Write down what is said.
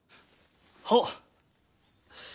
はっ！